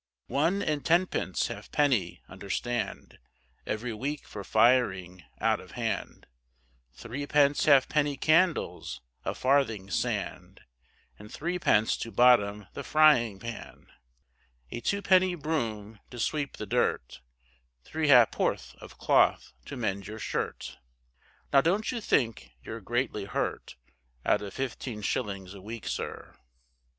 One and tenpence halfpenny, understand, Every week for firing out of hand, Threepence halfpenny candles, a farthing sand, And threepence to bottom the frying pan; A twopenny broom to sweep the dirt, Three ha'porth of cloth to mend your shirt, Now don't you think you're greatly hurt, Out of fifteen shillings a week, sir.